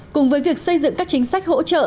cùng với việc xây dựng các chính sách hỗ trợ